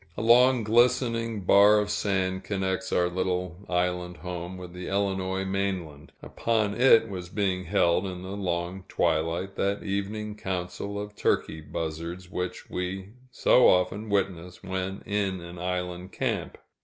A long glistening bar of sand connects our little island home with the Illinois mainland; upon it was being held, in the long twilight, that evening council of turkey buzzards, which we so often witness when in an island camp.